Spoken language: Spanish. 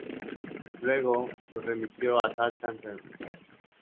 Luego lo remitió a Salta enfermo.